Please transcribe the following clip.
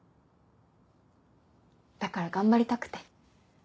だから頑張りたくて。